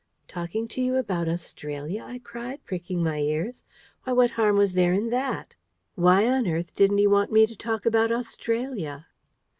"Talking to you about Australia!" I cried, pricking my ears. "Why, what harm was there in that? Why on earth didn't he want me to talk about Australia?"